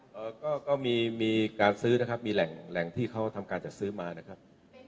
แล้วก็ก็มีการซื้อนะครับมีแหล่งแหล่งที่เขาทำการจัดซื้อมานะครับ